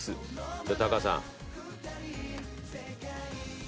じゃあタカさん。